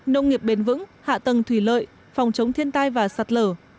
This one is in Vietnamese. nông nghiệp bền vững hạ tầng thủy lợi phòng chống thiên tai và sạt lở